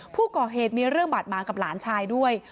ผู้ก่อเหตุมีเรื่องบาดหมางกับหลานชายด้วย